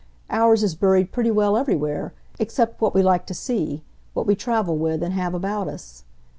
Ours is buried pretty well everywhere except what we like to see, what we travel with and have about us.